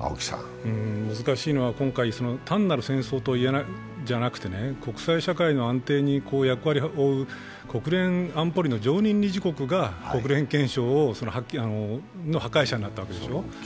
難しいのは今回、単なる戦争といえないんじゃなくて国際社会の安定に役割を負う国連安保理の常任理事国が国連憲章の破壊者になったわけでしょう。